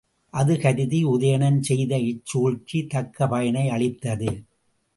அது கருதி உதயணன் செய்த இச் சூழ்ச்சி தக்க பயனை அளித்தது.